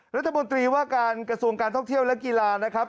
รัฐมนตรีว่าการกระทรวงการท่องเที่ยวและกีฬานะครับ